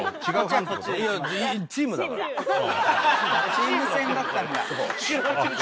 チーム戦だったんだ。